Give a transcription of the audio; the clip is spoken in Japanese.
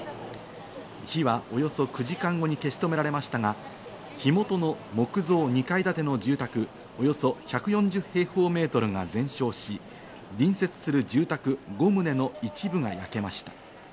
火はおよそ９時間後に消し止められましたが、火元の木造２階建ての住宅、およそ１４０平方メートルが全焼し、隣接する住宅５棟の一部が焼けました。